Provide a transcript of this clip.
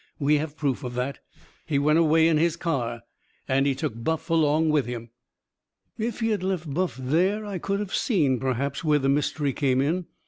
We have proof of that. He went away in his car. And he took Buff along with him. If he had left Buff there I could have seen, perhaps, where the mystery came in.